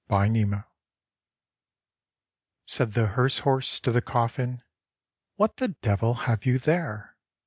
THE HEARSE HORSE. Said the hearse horse to the coffin, "What the devil have you there?